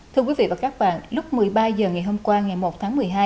thưa quý vị và các bạn lúc một mươi ba h ngày hôm qua ngày một tháng một mươi hai